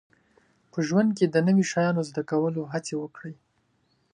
په ژوند کې د نوي شیانو زده کولو هڅې وکړئ